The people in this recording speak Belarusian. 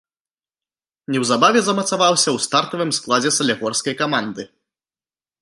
Неўзабаве замацаваўся ў стартавым складзе салігорскай каманды.